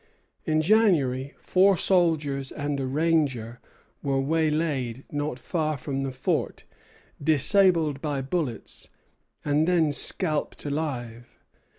In January four soldiers and a ranger were waylaid not far from the fort, disabled by bullets, and then scalped alive.